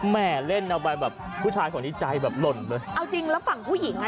แม่เล่นเอาไปแบบผู้ชายคนนี้ใจแบบหล่นเลยเอาจริงแล้วฝั่งผู้หญิงอ่ะ